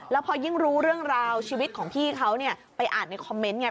แล้วพอยิ่งรู้เรื่องราวชีวิตของพี่เขาเนี่ยไปอ่านในคอมเมนต์ไง